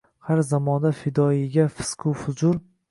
Har zamonda fidoiyga fisq-u fujur